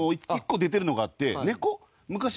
１個出てるのがあって。